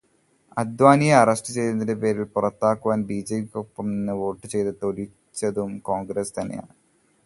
അദ്വാനിയെ arrest ചെയ്തതിന്റെ പേരില് പുറത്താക്കുവാന്, ബിജെപിക്കൊപ്പം നിന്ന് വോട്ട് ചെയ്തു തോല്പിച്ചതും കോണ്ഗ്രസ്സ്സ് തന്നെയാണ്.